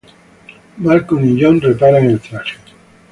Malcolm y John reparan el traje.